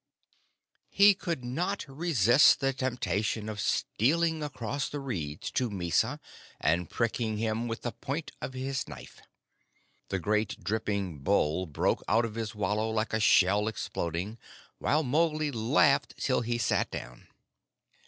He could not resist the temptation of stealing across the reeds to Mysa and pricking him with the point of his knife. The great dripping bull broke out of his wallow like a shell exploding, while Mowgli laughed till he sat down.